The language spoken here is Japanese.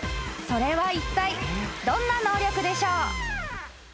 ［それはいったいどんな能力でしょう？］